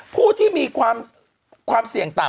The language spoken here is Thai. ผู้ที่มีความเสี่ยงต่ำ